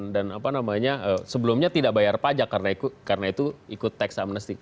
dan apa namanya sebelumnya tidak bayar pajak karena itu ikut teks amnesti